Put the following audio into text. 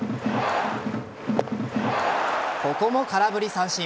ここも空振り三振。